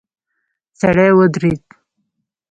سړی ودرید.